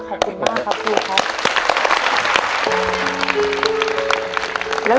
ขอบคุณมากครับครูครับ